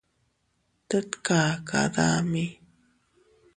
Tet kaka dami.